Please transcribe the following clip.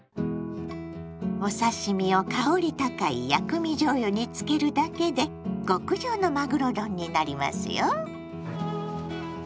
お刺身を香り高い「薬味じょうゆ」につけるだけで極上のまぐろ丼になりますよ。